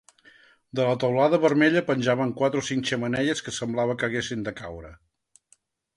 De la teulada vermella penjaven quatre o cinc xemeneies que semblava que haguessin de caure.